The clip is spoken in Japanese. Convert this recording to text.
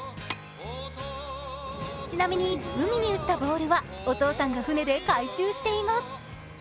ちなみに、海に打ったボールはお父さんが船で回収しています。